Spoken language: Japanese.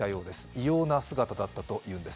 異様な姿だったというんです。